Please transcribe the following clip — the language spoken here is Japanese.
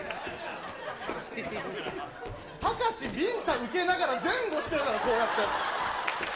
たかし、ビンタ受けながら前後してる、こうやって。